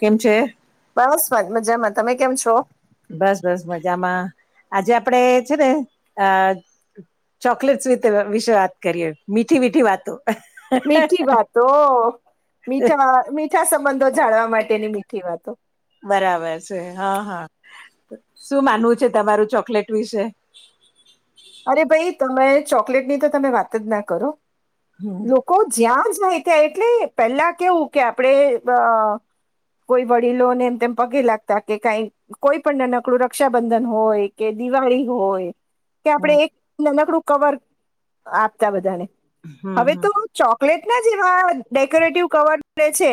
કેમ છે બસ ફાઇન મજામાં. તમે કેમ છો? બસ બસ મજામાં. આજે આપડે છે ને અ ચોકલેટ વિશે વાત કરીએ. મીઠી મીઠી વાતો. મીઠી વાતો. મીઠા મીઠા સપ બરાબર છે. હા હા શું માનવું છે તમારું ચોકલેટ વિશે? અરે ભાઈ તમે ચોકલેટની તો તમે વાત જ ના કરો હમ લોકો જ્યાં જ હોય ત્યાં એટલે પેલા કેવું કે આપડે અ કોઈ વડીલોને એમ તેમ પગે લાગતા કે કઈ કોઈ પણ નાનકડું રક્ષાબંધન હોય કે દિવાળી હોય, કે આપણે હમ એક નનકડું કવર આપતા બધાને હમ હવે હમ તો ચોક લેટના જેવા ડેકોરેટિવ કવર છે,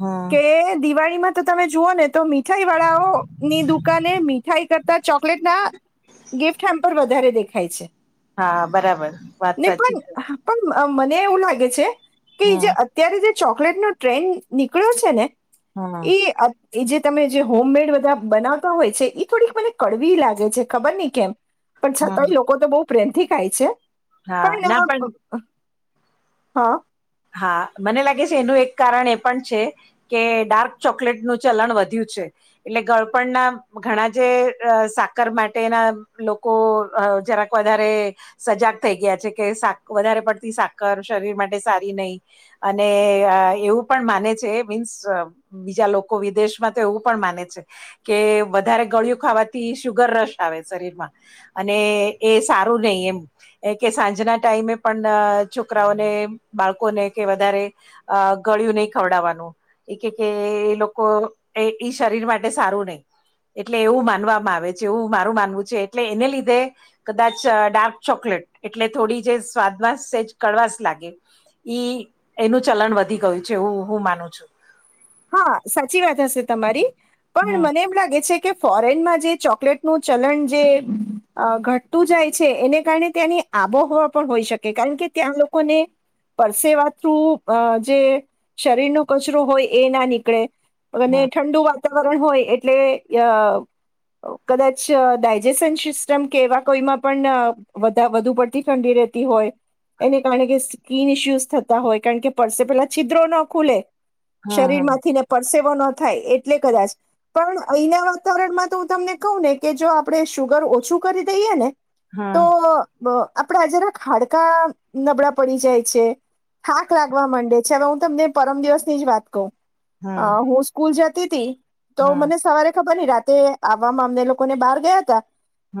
હમ કે દિવાળીમાં તો તમે જુઓ ને તો મીઠાઈ વાળાઓની દુકાને મીઠાઈ કરતા ચોકલેટ ના ગિફ્ટ [unintelligible] દેખાય છે. હા બરાબર વાત ને સાચી પણ છે. પણ મને એવું લાગે છે કે હમ જે અત્યારે જે ચોકલેટ નો ટ્રેન્ડ નીકળ્યો છે ને, હમ એ એ જે તમે જે હોમમેડ બધા બનાવતા હોય છે એ થોડીક મને કડવી લાગે છે ખબર નહી કેમ પણ હમ છતાંય લોકો તો બહુ પ્રેમથી ખાય છે હા ના પણ હા હા મને લાગે છે એનું એક કારણ એ પણ છે કે ડાર્ક ચોકલેટનું ચલણ વધ્યું છે એટલે ગળપણ ના ઘણા જે સાકર માટેના લોકો જરાક વધરે સજાગ થઈ ગયા છે કે વધારે પડતી સાકર શરીર માટે નહીં અને એવું પણ માને છે મીન્સ બીજા લોકો વિદેશમાં તો એવું માને છે કે વધારે ગળિયું ખાવાથી શુગર રસ આવે શરીરમાં અને એ સારું નહી એમ કે સાંજના ટાઈમે પણ છોકરાઓને બાળકોને કે વધારે અ ગળિયું નહી ખવડાવવાનું એ કે કે લોકો એ ઈ શરીર માટે સારું નહી. એટલે એવું માનવામાં આવે છે એવું મારું માનવું છે એટલે એને લીધે કદાચ ડાર્ક ચોકલેટ એટલે થોડી જે સ્વાદમાંસ છેજ કડવાસ લાગે. ઈ એનું ચલન વધી ગયું છે હું હું માનું છું. હા સાચી વાત હશે તમારી પણ હમ મને એમ લાગે છે કે ફોરેનમાં જે ચોકલેટનું ચલણ જે ઘટતું જાય છે એને કારણે તની આબોહવા પણ હોઈ શકે કારણ કે ત્યાં લોકોને પરસેવા થ્રુ જે શરીર નો કચરો હોય એ ના નીકળે અને હમ ઠંડુ વાતાવરણ હોય એટલે અ કદાચ ડાયજેશન સિસ્ટમ કેવા કોઈમાં પણ વધુ પડતી ઠંડી રહે. તી હોય. એને કારણે કે સ્કીિન ઇસ્યુસ થતા હોય કારણ કે પસે પેલા છિદ્રો ના ખુલે. શરીર હમ માંથી ને પડસે. થાય એટલે કદાચ પણ અહીના વાતાવરણમાં તો હું તમને કહું ને કે જો આપણે શુગર ઓછું કરી દઈએ ને તો હમ આપડે જરાક ખાડકા નબળા પડી જાય છે. થાક લાગવા માંડે છે. હવે હું તમને પરમ દિવસ ની જ વાત હમ હું સ્કૂલ જતી ત તો હમ મને સવારે ખબર ન રા તે આવવામાં અમને લોકોને બહાર ગયા હતા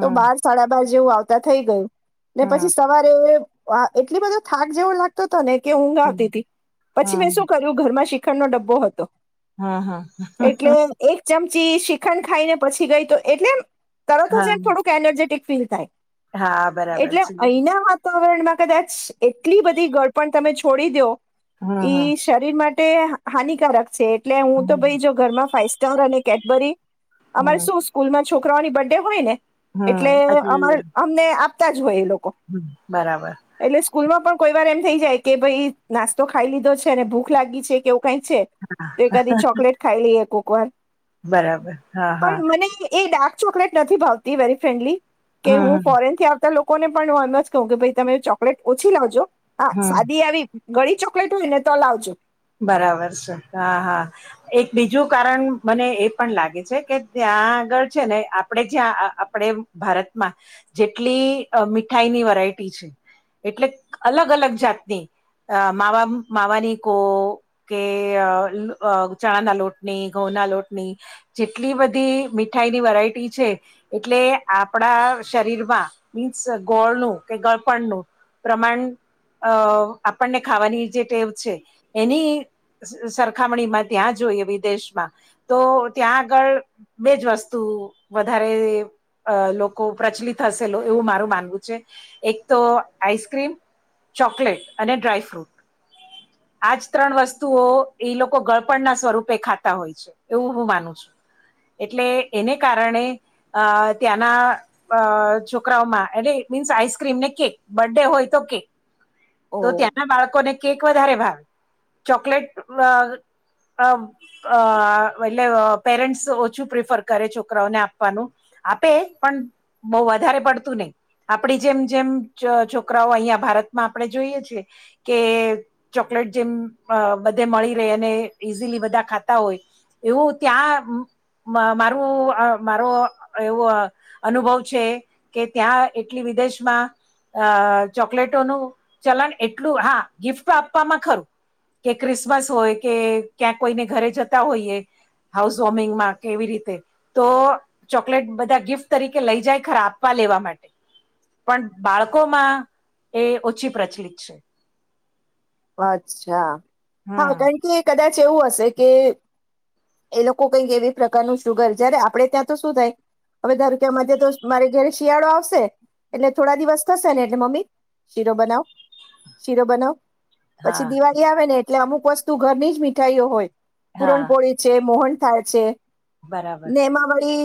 તો બાર સાડા બાર જેવું આવતા થઈ ગયું. ને હમ પછી સવારે એટલી બધો થાક જેવો લાગતો હતો ને કે ઊંઘ હમ આવતી હતી પછી મેં શું હમ કર્યું ઘરમાં શ્રીખંડ નો ડબ્બો હતો. હમ હમ એટલે એક ચમચ પછી શ્રીખંડ ખાઈ ને પછી ગઈ તો એટલે એમ તરત હા જ એમ થોડુંક એનર્જેટિક ફીલ થાય. હા બરાબર એટલે છે અહીના વાતાવરણમાં કદાચ એટલી બધી ગળપણ તમે છોડી દો હમ હમ ઈ શરીર માટે હાનિકારક છે. એટલે હું તો હમ ભાઈ જો ઘરમાં ફાઈવ સ્ટાર અને કેડબરી હમ અમારે શું સ્કૂલમાં છોકરાઓની બર્થ ડે હોય ને હમ એટલે અ એટલે અમને આપતા જ હોય એ લોકો. હમ બરાબર એટલે સ્કૂલમાં પણ કોઈ વાર એમ થઈ જાય કે ભાઈ નાસ્તો ખાઈ લીધો છે અને ભૂખ લાગી છે કે કઈ છે તો એકાદી ચોકલેટ ખાઈ લઈએ કોક વાર. બરાબર હા હા પણ મને એ ડાર્ક ચોકલેટ નથી ભાવતી વેરી ફ્રેન્ડલી કે હમ હું હમ ફોરેનથી આવતા કોને પણ હ એમ જ કહું કે ભ તમે ચોકલેટ ઓછી લાવજો હા હમ સાદી આવી ઘણી ચોકલેટ હોય ને તો લાવજો. બરાબર છે. હા હા એક બીજું કારણ મને એ પણ લાગે છે કે ત ત્યાં આગળ છે ને આપણે જ્યાં આપણે ભારતમાં જેટલી મીઠાઈ ની વેરાઈટી છે એટલે અલગ અલગ જાતની માવાની કો કે ચણા ના લોટની, ઘઉંના લોટની જેટલી બધી મિત મીઠાઈની વેરાયટી છે. એટલે આપણા શરીર માં મીન્સ ગોળનું કે ગ ગળપણ નું પ્રમાણ આપણને ખાવાની જે ટેવ છે એની સરખામણીમાં ત્યાં જોઈએ વિદેશમાં તો ત્યાં આગળ બેજ વસ્તુ વધારે અ લોકો પ્રચલિત હશે. એવું મારું માનવું છે એક તો આઈસક્રીમ ચોકલેટ અને ડ્રાયફ્રૂટ. આજ ત્રણ વસ્તુઓ એ લોકો ગળપણના સ્વરૂપે ખાતા હોય છે. એવું હું માનું છું. એટલે એને કારણે અ ત્યાંના અ છોકરાઓમાં એટલે મીન્સ આઈસક્રીમ ને કેક બર્થ ડે હોય તો કેક તો ઓહ ત્યાંના બાળકોને કેક વધારે ભાવે. ચોકલેટ અ અ અ એટલે પેરેન્ટ્સ ઓછું પ્રિફર કરે છોકરાઓને આપવાનું. આપે પણ બહુ વધારે પડતું નહી આપડી જેમ જેમ છોકરાઓ અહિયાં ભારતમાં આપણે જોઈએ છે કે ચોકલેટ જેમ બધે મળી રહે અને ઈઝીલી ખાતા હોય એવું ત્યાં મારું મારો એવું અનુભવ છે કે ત્યાં એટલી વિદેશમાં અ ચોકલેટોનું ચલાણ એટલું હા ગિફ્ટ આપવામાં ખરું. કે ક્રિસમસ હોય કે ક્યાં કોઈને ઘરે જતા હોઈએ. હાઉસ વોર્મિંગમાં કેવી રીતે તો ચોકલેટ બધા ગિફ્ટ તરીકે લઈ જાય ખરા આપવા લેવા માટે પણ બાળકોમાં એ ઓછી પ્રચલ છે. અચ્છા હા હમ કારણ કે કદાચ એવું હશે કે એ લોકો કઈક એવી પ્રકારનું શુગર જય્યારે આપડે ત્યાં તો શું થાય. હવે ધારો કે મજ તો મારે ઘરે શિયાળો આવશે. એટલે થોડા દિવસ થશે ને એટલે મમ્મી શીરો બનાવ શીરો બનાવ પછી હા દિવાળી આવે ને એટલે અમુક વસ્તુ ઘરની જ મીઠાઈઓ હોય હા પુરણપોળી છે મોહન થાય છે બરાબર નેમાવળી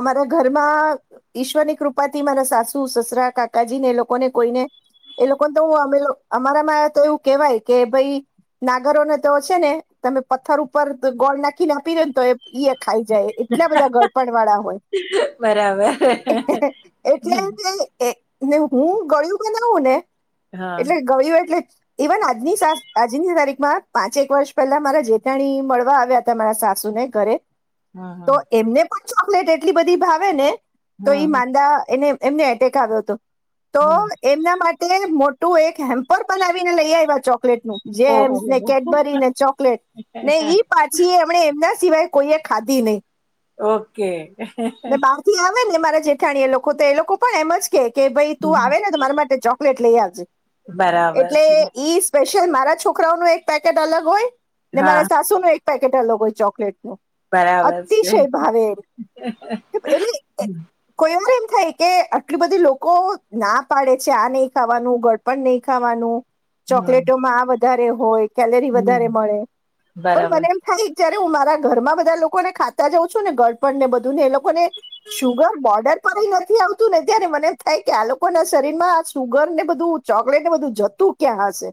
અમારા ઘરમાં ઈશ્વરની કૃપાથી મારા સાસુ સસરા કાકાજી ને એ લોકો ને કોઈને એ લોકોને તો હ અમે અમારામાં તો એવું કેવાય કે ભાઈ. નાગરોને તો છે ને તમે પથ્થર ઉપર ગોળ નાખીને આપીનેે ને તો ખાઈ જાય એટલા બધા ગળપણ વાળા હોય. બરાબર એટલે હું ગળું બનાવું ને. હા એટલે ગળ્યું એટલે ઇવન આજની સા આજની તારીખમાં પાંચેક વર્ષ પહેલા મારા જેતાાણી મળવા આવ્યા હતા મારા સાસ સુને ઘરે હા હા તો એમને પણ ચોકલેટ એટલી બધી ભાવે ને તો ઈ હમ માંદા એને એમને એટેક આવ્યો હતો તો હમ એમના માટે મો તું એક હેમ્પર બનાવીને લઈ આવ્યા છો. ચોકલેટ નું જેમ્સ ને ઓહ કેડબરી ને ચોકલેટ ને ઈ પાછી એ એમણે એમના સિવાાઈ કોઈએ ખાધી નહી. ઓકે. અને બહાર થી આવે ને મારા જેઠાણીય લોકો તો એ લોકો પણ એમ જ કે કે ભાઈ તું આવે ને તો મારા માટે ચોકલેટ લઈ આવજે. બરાબર એટલે છે. ઈ સ્પેશિયલ મારા છોકરાઓ નું એક પેકેટ અલગ હોય ને હા મારા સાસુ નું એક પેકેટ અલગ હોય ચોકલેટ નું. બરાબર છે અતિશય ભાવે એ હમ કોઈ થાય કે આટલી બધી લોકો ના પાડે છે આ નહી ખાવાનું ગળપણ નહી ખાવાનું. હમ ચોકલેટોમાં આ વધારે હોય કેલરી વધારે મળે પણ બરાબર મને એમ થાય ત્યારે હું મારા ઘરમાં બધા લોકો ને ખાતા જઉં છું ને ગરપણ ને બધું ને એ લોકોને શુગર બોર્ડર પર નથી આવતું ને અત્યારે મને થાય કે આ લોકો ના શરીર માં સુગર ને બધું ચોકલેટ ને બધું જતું ક્યાં હશે.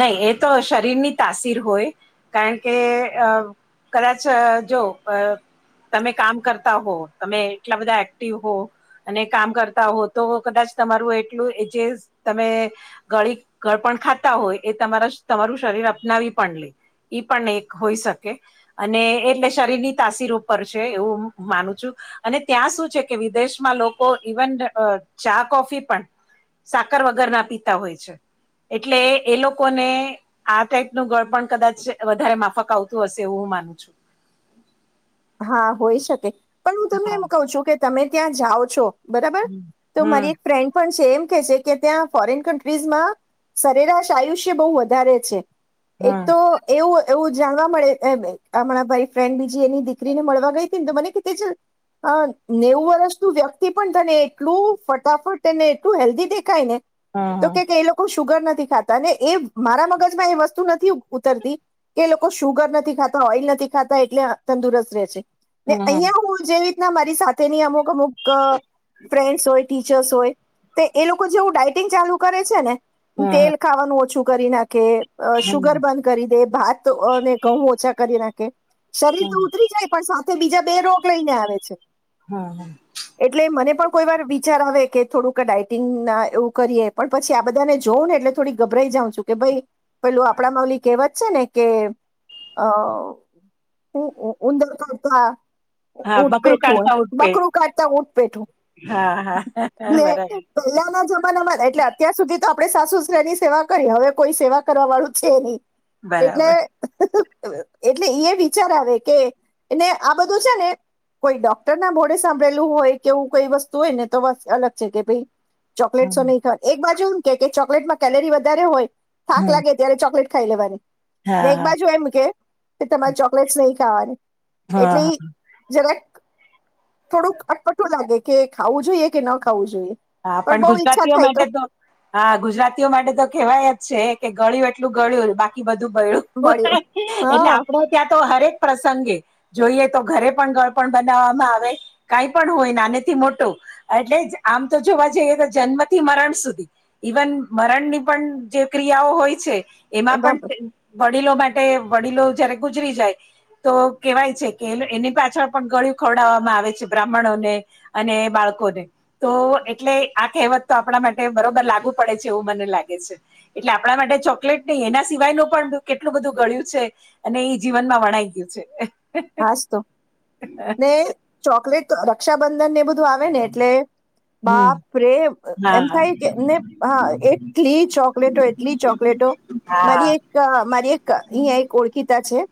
નહી એ તો શરીરની તાસીર હોય કારણ કે અ કદાચ જો અ તમે કામ કરતા હો તમે એટલા બધા એક્ટિવ હો અને કામ કરતા હો તો કદાચ તમારું એટલું જે તમે ગળ ગળપણ ખા હોય એ તમારા તમારું શરીર અપનાવી પણ લે ઈ પણ એક હોઈ શકે અને એટલે શરીરની તાસીરો ઉપર છે એવું માનું છું અને ત્યાં શું છે કે વિદેશમાં લોકો ઇવન ચા કોફી પણ સાકર વગર ના પીતા હોય છે. એટલે એ લોકોને આ ટાઈપનું ગળ પણ કદાચ વધારે માફક આવતું હશે એવું હું માનું છું હા હોય શકે પણ હું તમને હા એમ કઉ છું કે તમે ત્યાં જાઓ છો બરાબર હમ. તો હમ મારી એક ફ્રેન્ડ પણ છે એમ કે કે ત્યાં ફોરેન કન્ટ્રીઝમાં સરેરાશ આયુષ્ય બહુ વધારે છે એક હમ તો એવું એવું જાણવા મળે હમણાં ભાઈ ફ્રેન્ડ બીજી એની દીકરી ને મળવા ગઈ તી મને કે તેજલ અ નેવું વર્ષ નું વ્યક્તિ પણ તને એટલું ફટાફટ તેને એટલું હેલ્ધી દેખાય ને તો હમ કે ક એ લોકો શુગર નથી ખાતા ને એ મારા મગજમાં એ વસ્તુ નથી ઉતરતી કે લોકો સુુગર નથી ખાતા ઓઇલ નથી ખાતા એટલે તંદુરસ્ત રે છે ને હમ અહીંયા હું જેવી રીતના મારી સાથેની અમુક અમુક ફ્રેન્ડસ હોય ટીચર્સ હોય તો એ લોકો જેવું ડાયટિંગ ચાલુ કરે છે ને હમ તેલ ખાવાનું ઓછું કરી નાખે કે હમ શુગર બંધ કરી દે ભાતને ઘઉં ઓછા કરી નાખે શરીર હમ. તો ઉતરી જાય સાથે બીજા બે રોગ લઈને આવે છે હા હા એટલે મને પણ કોઈ વાર વિચાર આવે કે થોડુંક ડઇટિંગ ના એવું કરીએ પણ પછી આ બધાને જોઉં ને એટલે થોડીક ગભરાઈ જાઉ છું કે ભાઈ પેલું આપણા મૌલિક એવા જ છે ને કે અ હ ઉંદર તોતા હા ઊંટ બકરું પેઠું હોય કાઢતા ઉઠપે બકરું કાઢતા ઊંટ પેઠું હા હા ને બરાબર પહેલા ના જમાનામાં એટલે અત્યાર સુધી તો આપણે સાસુસરાની સેવા કરીએ હવે કોઈ સેવા કરવા વાળું છે નહી એટલે બરાબર. એટલે એ એ વિચાર આવે કે ને આ બધું છે ને કોઈ ડોક્ટર ના ભોડે સાંભળેલું હોય કે એવું કઈ વસ્તુ હોય ને તો અલગ છે કે ભાઈ ચોકલેટો હમ નહીં ખા એક બાજુ એવ કે કે ચોકલેટમાં કેલરી વધારે હોય થાક હમ લાગે ત્યારે ચોકલેટ ખાઈ લેવાની ને હા એક હા બાજુ એમ કે તમારે ચોકલેટસ નહી ખાવાની હા એટલે હા જરાક થોડુંક અટપટું લાગે કે ખાવું જોઈએ કે ન ખાવું જોઈએ હા પણ બહુ ઈચ્છા ગુજરાતીઓ થાય માટે તો હા ગુજરાતીઓ માટે તો કેહેવાય જ છે કે ગળ્યું એટલું ગળ્યું બાકી બધું ગળ્યું મળ્યું એટલે હા આપડ ત્યાં તો હરેક પ્રસંગે જોઈએ તો ઘરે પણળ પણ બનાવવામાં આવે કઈ પણ હોય નાને થી મોટો એટલે જ આમ તો જોવા જઈએ કે જન્મથી મરણ સુધી ઈવન મરણ ની પણ જે ક્રિયાઓ હોય છે એમાં પણ વડીલો માટે વડીલો જયારે ગુજરી જાય તો કેવાય છે કે એની પાછળ પણ ગળયું ખવડાવવામાં આવે છે બ્રાહ્મણોને અને બાળ બાળકોને તો એટલે આ કહેવત તો આપણા માટે બરોબર લાગુ પડે છે એવું મને લાગે છે એટલે આપણા માટે ચોકલેટ નહી એના સિવાય ન પણ કેટલું બધું ગળ્યું છે અને એ જીવનમાં વણાઈ ગયું છે હાસ તો ને ચોકલેટ રક્ષાબંધન ને બધું બધું આવે ને એટલે હમ બાપરે હા એમ હા થાય કે એમને હા એટલી ચોકલેટો એટલી ચોકલેટો મારી હા, એક મારી એક અહીં એક ઓળખીતા છે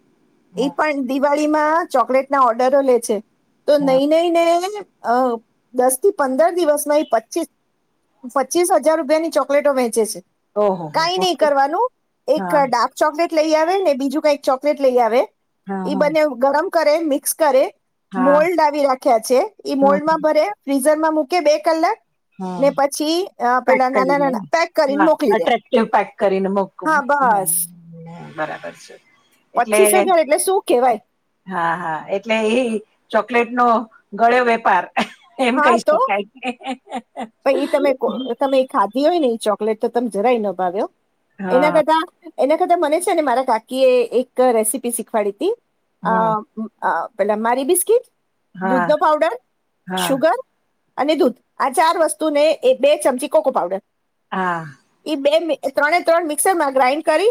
એ પણ પાર્ટી માં ચોકલેટ ના ઓર્ડરો લે છે તો હા. નહી નહી ને અ દસ થી પંદર દિવસમાં એ પચીસ પચીસ હજાર રૂપિયાની ચોકલેટો વેંચે છે ઓહો હો, કઈ હો. નહી કરવાનું એક હા ડાર્ક ચોકલેટ લઈ આવે ને બીજું કઈક ચોકલેટ લઈ આવે હા એઈ હા બને ગરમ કરે મિક્સ કરે હા મોલ્ડ આવી રાખ્યા છે હા મોલ્ડમાં ભરે ફ્રીઝર માં મૂકે બે કલાક હા ને પછી અ, પેક પેલા નાના કરીને નાના પેક કરીને હા મોકલી દે એટક્ટિવ પેક કરીને મોક હા બસ બરાબર છે. એટલે પચીસ હજાર એટલે શું કેવાય હા હા એટલે એ ચોકલેટ નો ગળ્યો વેપાર એમ હા કહી તો શકાય. પછ તમે તમે એ ખાધી હોય ને એ ચોકલેટ તો તમે જરાય ન ભાવ્યો એના હા કરતા એના કરતા મને છે ને મારા કાકીએ એક રેસીપી શીખવાડીતી હા હતી અ પેલા મારી બિસ્કીટ, હા દૂધ નો પાવડર, હા સુુગર અને દૂધ આ ચાર વસ્તુને બે ચમચી કોકો પાવડર હાં. ઈ બે ત્રણે ત્રણ મિક્સર માં ગ્રાઇન્ડ કરી.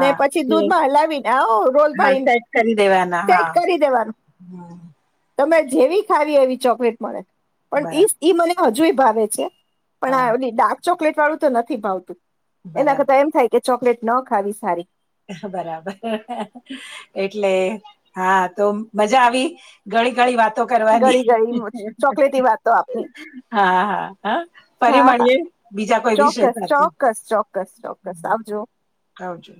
ને પછી એટલે દૂધમાં હલાવીને [unintelligible] હા પાણી સેટ કરી દેવાનું. હમ્મ. તમે જેવી ખાવી એવી ચોકલેટ મળે પણ બરાબર ઈ મને હજુય ભાવે છે. પણ હા આ એ ડાર્ક ચોકલેટ વાળું તો નથી ભાવતું એના બરાબર કરતા એમ થાય કે ચોકલેટ ન ખાવી સારી. બરાબર એટલે હા તો મજા આવી. ઘણી ઘણી વાત. તો કરવાની ગળી ગળી ચોકલેટી વાતો આપની હા હા હા ફરી હા હા મળીએે. ચોક્કસ ચોક્કસ ચોક્કસ ચોક્કસ હમ, આવજો. આવજો.